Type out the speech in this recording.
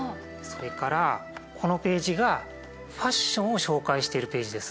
それからこのページがファッションを紹介しているページです。